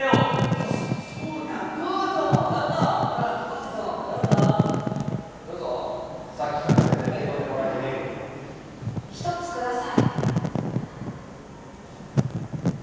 どうぞそうかどうぞどうぞほらどうぞどうぞどうぞさっきから全然受け取ってもらえてねえけどな１つください